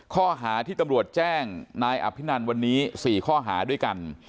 ข้อหาที่ตำรวจแจ้งนายอภินันวันนี้๔ข้อหาด้วยกัน